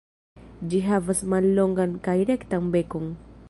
Ĝi havas mallongan kaj rektan bekon.